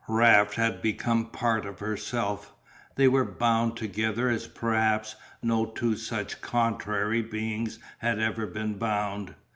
Raft had become part of herself, they were bound together as perhaps no two such contrary beings had ever been bound.